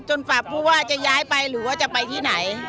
ฝากผู้ว่าจะย้ายไปหรือว่าจะไปที่ไหน